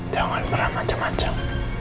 jangan pernah macem macem